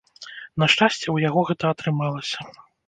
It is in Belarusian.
На шчасце, у яго гэта атрымалася.